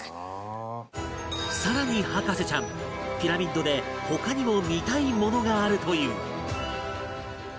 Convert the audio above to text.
さらに博士ちゃんピラミッドで他にも見たいものがあるという